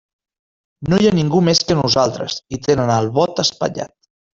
No hi ha ningú més que nosaltres i tenen el bot espatllat.